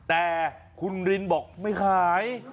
แต่คุณรินบอกไม่ขาย